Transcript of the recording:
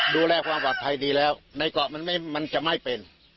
ดูแลความปลอดภัยดีแล้วในเกาะมันจะไม่เป็น